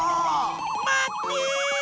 まって！